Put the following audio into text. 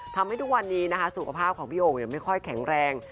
ทำให้ทุกวันนี้สุขภาพของพี่โอ๋งไม่ค่อยแข็งแรง